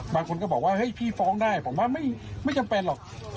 บางคนก็บอกว่าเฮ้ยพี่ฟ้องได้ผมว่าไม่จำเป็นหรอก